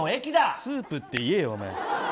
スープって言えよ。